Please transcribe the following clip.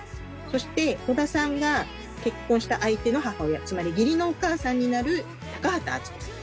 そして戸田さんが結婚した相手の母親つまり義理のお母さんになる高畑淳子さん。